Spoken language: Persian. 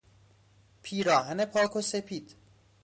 پیراهن پاک و سپید